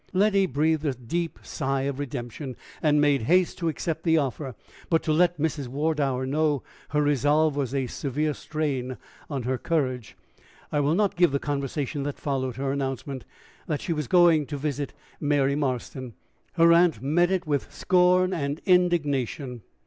Letty breathed a deep breath of redemption, and made haste to accept the offer. But to let Mrs. Wardour know her resolve was a severe strain on her courage. I will not give the conversation that followed her announcement that she was going to visit Mary Marston. Her aunt met it with scorn and indignation.